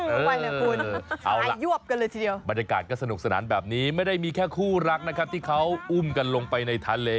เออเอาล่ะบรรยากาศก็สนุกสนานแบบนี้ไม่ได้มีแค่คู่รักที่เขาอุ้มกันลงไปในทะเล